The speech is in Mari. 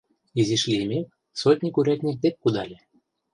Изиш лиймек, сотник урядник дек кудале.